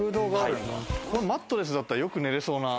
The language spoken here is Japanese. マットレスだったら、よく寝られそうな。